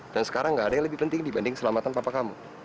dan sekarang nggak ada yang lebih penting dibanding selamatan papa kamu